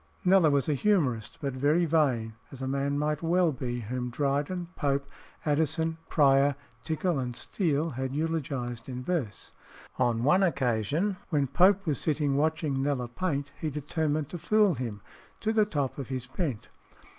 Kneller was a humorist, but very vain, as a man might well be whom Dryden, Pope, Addison, Prior, Tickell, and Steele had eulogised in verse. On one occasion, when Pope was sitting watching Kneller paint, he determined to fool him "to the top of his bent."